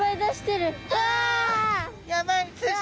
やばい。